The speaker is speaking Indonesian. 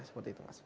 seperti itu mas